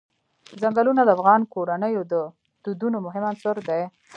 ځنګلونه د افغان کورنیو د دودونو مهم عنصر دی.